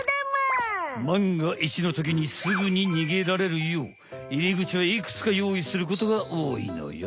まんがいちのときにすぐににげられるよう入り口はいくつか用意することがおおいのよ。